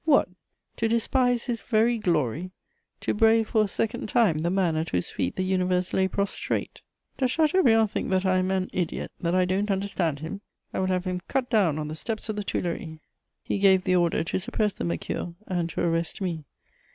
What! To despise his very glory; to brave for a second time the man at whose feet the universe lay prostrate! "Does Chateaubriand think that I am an idiot, that I don't understand him! I will have him cut down on the Steps of the Tuileries!" He gave the order to suppress the Mercure and to arrest me.